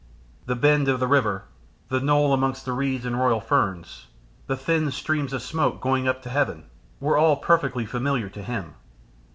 The bend of the river, the knoll among the reeds and royal ferns, the thin streams of smoke going up to Heaven, were all perfectly familiar to him.